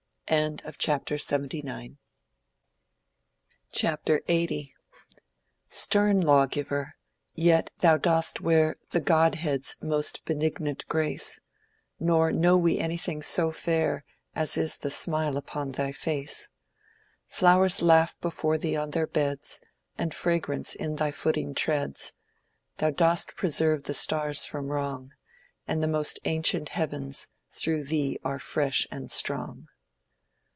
CHAPTER LXXX. Stern lawgiver! yet thou dost wear The Godhead's most benignant grace; Nor know we anything so fair As is the smile upon thy face; Flowers laugh before thee on their beds, And fragrance in thy footing treads; Thou dost preserve the Stars from wrong; And the most ancient Heavens, through thee, are fresh and strong.